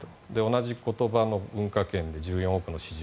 同じ言葉の文化圏で１４億の市場。